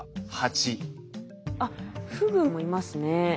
あっフグもいますね。